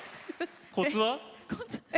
コツは？え？